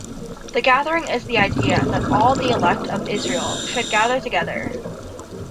"The gathering" is the idea that all the "elect" of Israel should gather together.